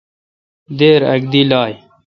دیر اک دی لائ۔